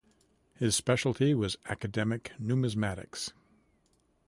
His speciality was academic numismatics.